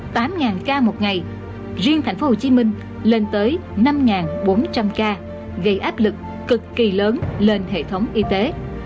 tại tám ca một ngày riêng thành phố hồ chí minh lên tới năm bốn trăm linh ca gây áp lực cực kỳ lớn lên hệ thống y tế